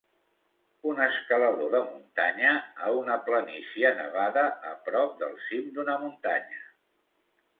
Un escalador de muntanya a una planícia nevada a prop del cim d'una muntanya.